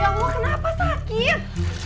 ya allah kenapa sakit